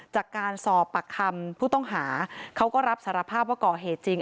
จากการสอบปากคำผู้ต้องหาเขาก็รับสารภาพว่าก่อเหตุจริง